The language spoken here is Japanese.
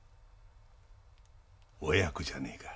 親子じゃねえか。